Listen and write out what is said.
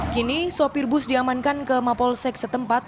kini sopir bus diamankan ke mapolsek setempat